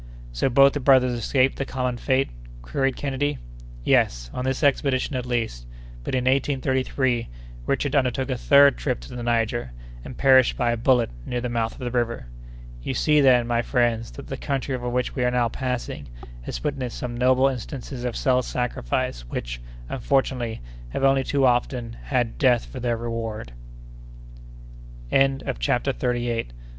"So both the brothers escaped the common fate?" queried Kennedy. "Yes, on this expedition, at least; but in 1833 Richard undertook a third trip to the Niger, and perished by a bullet, near the mouth of the river. You see, then, my friends, that the country over which we are now passing has witnessed some noble instances of self sacrifice which, unfortunately, have only too often had death for their reward." CHAPTER THIRTY NINTH.